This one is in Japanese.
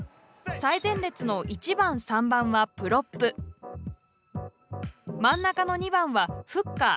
最前列の１番、３番はプロップ真ん中の２番はフッカー。